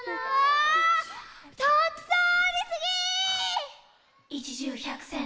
ああたくさんありすぎ！